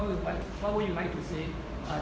คุณคิดว่าเกินเท่าไหร่หรือไม่เกินเท่าไหร่